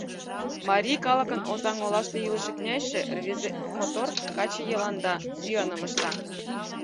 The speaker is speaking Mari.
Марий калыкын Озаҥ олаште илыше князьше — рвезе мотор каче Йыланда — сӱаным ышта.